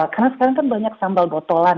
karena sekarang kan banyak sambal botolan